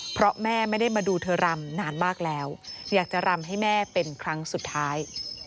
เพราะแม่ไม่ได้มาดูเธอรำนานมากแล้วอยากจะรำให้แม่เป็นครั้งสุดท้าย